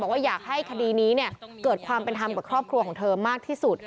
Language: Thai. ว่าอยากให้คดีนี้เกิดความเป็นธรรมกับครอบครัวของเธอมากที่สุด